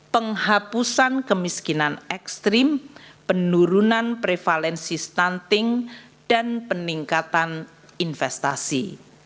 penghapusan kemiskinan ekstrim penurunan prevalensi stunting dan peningkatan investasi